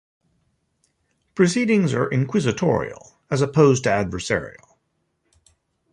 Proceedings are inquisitorial, as opposed to adversarial.